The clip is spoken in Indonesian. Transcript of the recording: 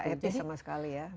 etis sama sekali ya